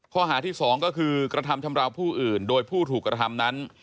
ข้อหาที่สองก็คือกระทำชำราวผู้อื่นโดยผู้ถูกกระทำนั้น